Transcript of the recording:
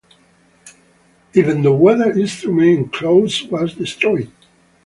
Even the weather instrument enclosure was destroyed.